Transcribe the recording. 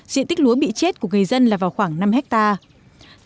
diện tích lúa bị chết của người dân là vào khoảng năm hectare